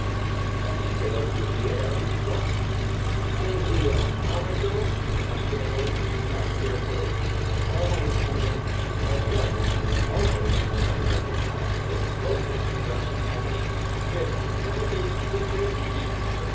As he sailed through the air he spoke. "Coming, Clio! All right, girl?" Questioningly, half fearfully. "All right, Conway." Her voice was almost unrecognizable, broken in retching agony. "When everything went crazy he